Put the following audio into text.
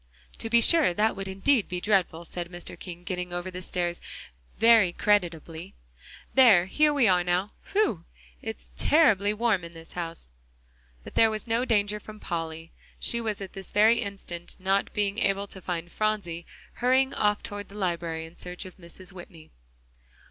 "To be sure; that would indeed be dreadful," said Mr. King, getting over the stairs very creditably. "There, here we are now. Whew! it's terribly warm in this house!" But there was no danger from Polly; she was at this very instant, not being able to find Phronsie, hurrying off toward the library in search of Mrs. Whitney.